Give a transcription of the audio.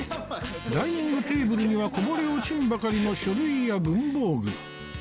ダイニングテーブルにはこぼれ落ちんばかりの書類や文房具